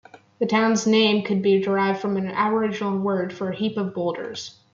The town's name could be derived from an Aboriginal word for "heap of boulders".